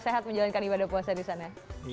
sehat menjalankan ibadah puasa di sana